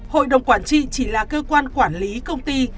hội đồng quản trị chỉ là cơ quan quản lý công ty